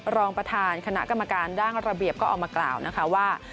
รองประธานคณะกรรมการด้านระเบียบก็ออกมากล่าวนะคะว่า